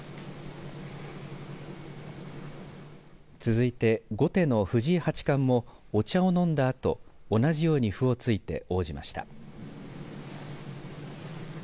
続いて後手の藤井八冠もお茶を飲んだあと同じように歩を突いて応じました。